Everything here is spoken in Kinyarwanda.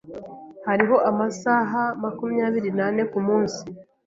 Hariho amasaha makumyabiri nane kumunsi.